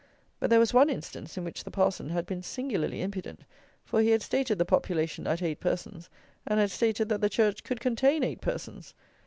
But there was one instance in which the parson had been singularly impudent; for he had stated the population at eight persons, and had stated that the church could contain eight persons!